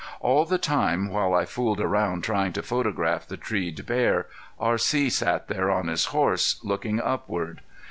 All the time while I fooled around trying to photograph the treed bear, R.C. sat there on his horse, looking upward.